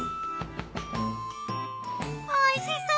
おいしそう！